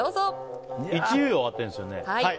１位を当てるんですよね？